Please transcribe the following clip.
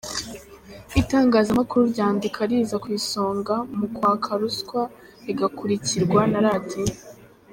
Itangazamakuru ryandika riza ku isonga mu kwaka ruswa, rigakurikirwa na Radio.